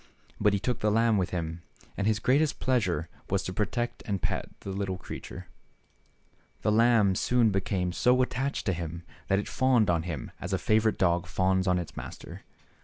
But he took the lamb with him, and his greatest pleasure was to protect and pet the little creature. The lamb soon became so much attached to him that it fawned on him as a favorite dog fawns on its master.